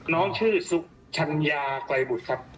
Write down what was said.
น้องชื่อสุขชัญญาไกลบุตรครับ